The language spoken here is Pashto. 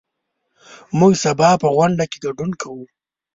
موږ سبا په غونډه کې ګډون کوو.